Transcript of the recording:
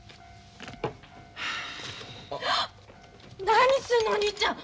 何すんのお兄ちゃん！？